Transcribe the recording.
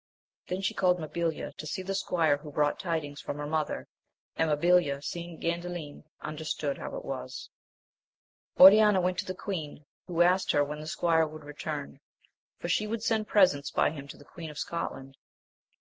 Then she called Mabilia to see the squire who' brought tidings from her mother; and Mabilia, seeing Gaudalin, under stood how it was. Oriana went to the queen, who asked her when the squire would return, for she would send presents by him to the Queen of Scotland.